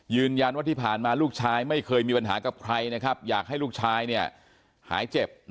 ยืนยันว่าที่ผ่านมาลูกชายไม่เคยมีปัญหากับใครนะครับอยากให้ลูกชายเนี่ยหายเจ็บ